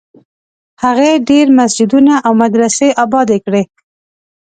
هغې ډېر مسجدونه او مدرسې ابادي کړې.